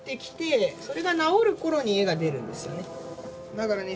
だからね